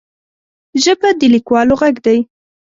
ژبه د لیکوالو غږ دی